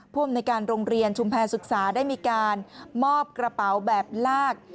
อำนวยการโรงเรียนชุมแพรศึกษาได้มีการมอบกระเป๋าแบบลาก